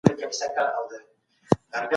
خوب هم خوږ وي.